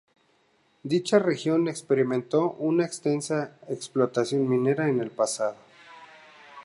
Dicha región experimentó una extensa explotación minera en el pasado.